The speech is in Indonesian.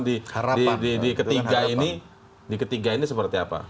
di ketiga ini seperti apa